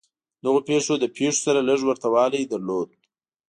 دغو پېښو له پېښو سره لږ ورته والی درلود.